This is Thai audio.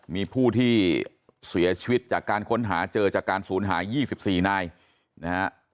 มีผู้ที่เสียชีวิตจากการค้นหาเจอจากการสูญหาย๒๔นายนะฮะ